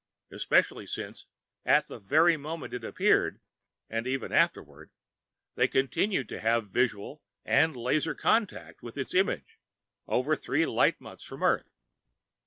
Especially since at the very moment it appeared, and even afterward, they continued to have visual and laser contact with its image, over three light months from Earth.